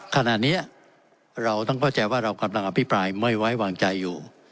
ขณะนี้เราต้องเข้าใจว่าเรากำลังอภิปรายไม่ไว้วางใจอยู่